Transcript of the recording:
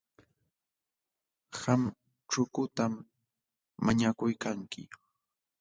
Qam chukutam mañakuykanki.,